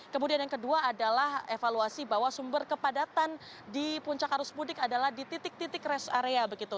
kemudian yang kedua adalah evaluasi bahwa sumber kepadatan di puncak arus mudik adalah di titik titik rest area begitu